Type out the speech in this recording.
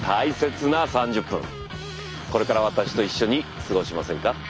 これから私と一緒に過ごしませんか？